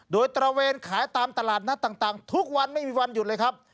โดยตระเวนขายตามตลาดนัดต่างทุกวันไม่มีวันหยุดเลยครับ